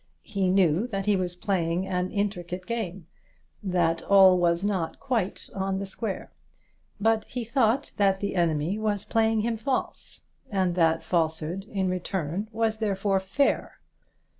He knew that he was playing an intricate game, that all was not quite on the square; but he thought that the enemy was playing him false, and that falsehood in return was therefore fair.